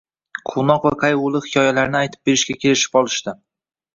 quvnoq va qaygʻuli hikoyalarni aytib berishga kelishib olishdi.